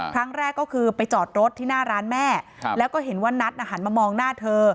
ครั้งแรกก็คือไปจอดรถที่หน้าร้านแม่แล้วก็เห็นว่านัทหันมามองหน้าเธอ